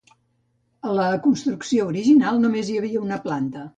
A la construcció original només hi havia una planta.